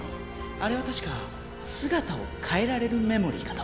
あれはたしか姿を変えられるメモリーかと。